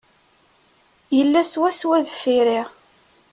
Yella swaswa deffir-i.